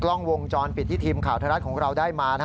กล้องวงจรปิดที่ทีมข่าวไทยรัฐของเราได้มา